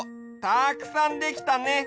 たくさんできたね！